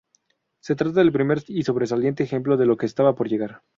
Se trata del primer y sobresaliente ejemplo de lo que estaba por llegar.